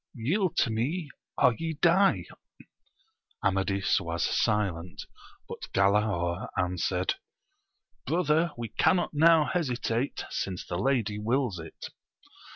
Yield to me, or ye die ! Amadis was silent ; but Galaor answered. Brother, we cannot now hesitate, since the lady wills it.